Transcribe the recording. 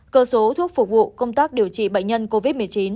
cơ số thuốc phục vụ công tác điều trị bệnh nhân covid một mươi chín